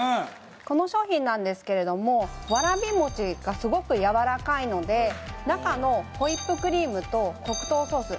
この商品なんですけれどもわらびもちがすごくやわらかいので中のホイップクリームと黒糖ソース